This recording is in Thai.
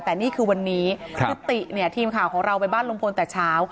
แต่นี่คือวันนี้ทีมข่าวของเราไปบ้านลุงพลแต่เช้า